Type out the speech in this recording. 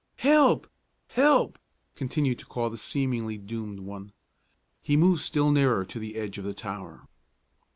"Help! Help!" continued to call the seemingly doomed one. He moved still nearer to the edge of the tower.